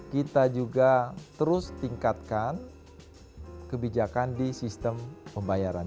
kita juga terus tingkatkan kebijakan di sistem pembayaran